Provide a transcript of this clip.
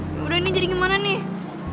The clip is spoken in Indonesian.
yaudah ini jadi gimana nih